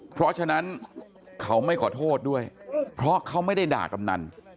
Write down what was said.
เพราะฉะนั้นเขาไม่ขอโทษด้วยเพราะเขาไม่ได้ด่ากำนัน